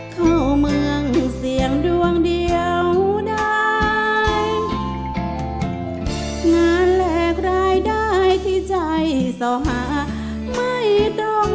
เข้าเมืองเสียงดวงเดียวได้งานแลกรายได้ที่ใจสหาไม่ต้อง